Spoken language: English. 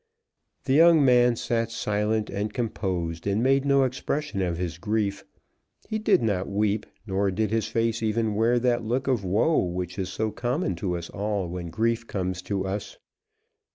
The young man sat silent, and composed, and made no expression of his grief. He did not weep, nor did his face even wear that look of woe which is so common to us all when grief comes to us.